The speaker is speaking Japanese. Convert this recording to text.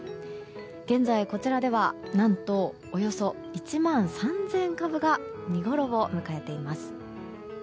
現在、こちらでは何とおよそ１万３０００株が見ごろを迎えています。